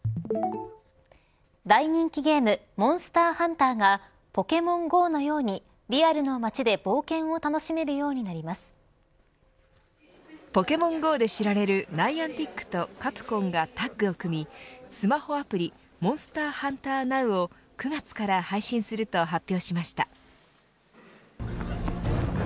大人気ゲームモンスターハンターがポケモンＧＯのようにリアルの街でポケモンＧＯで知られるナイアンティックとカプコンがタッグを組みスマホアプリＭＯＮＳＴＥＲＨＵＮＴＥＲＮＯＷを９月から配信すると発表しました。